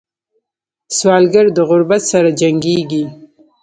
سوالګر د غربت سره جنګېږي